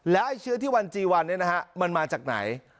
แล้วไอ้เชื้อที่วันจีวันเนี่ยนะฮะมันมาจากไหน